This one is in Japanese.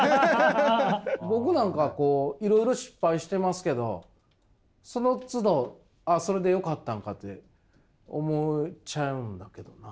僕なんかいろいろ失敗してますけどそのつどああそれでよかったんかって思っちゃうんだけどな。